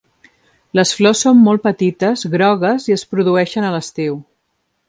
Les flors són molt petites, grogues i es produeixen a l'estiu.